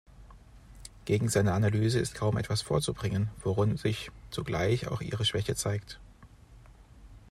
Gegen seine Analyse ist kaum etwas vorzubringen, worin sich zugleich auch ihre Schwäche zeigt.